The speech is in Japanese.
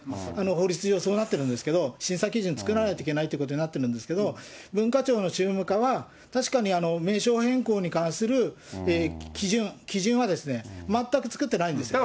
法律上、そうなっているんですけれども、審査基準を作らないといけないってなってるんですけど、文化庁の宗務課は、確かに、名称変更に関する基準、基準は、全く作ってないんですよ。